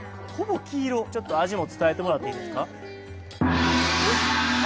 ちょっと味も伝えてもらっていいですか？